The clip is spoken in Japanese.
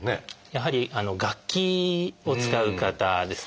やはり楽器を使う方ですね。